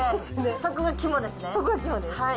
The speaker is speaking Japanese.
そこが肝です。